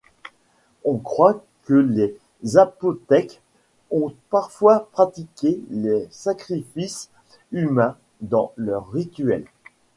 On croit que les Zapotèques ont parfois pratiqué les sacrifices humains dans leurs rituels.